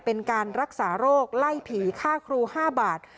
เป็นการรักษาโรคไล่ผีค่าครู๕บาท